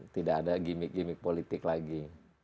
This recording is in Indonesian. tidak ada gimmick gimmick politik lagi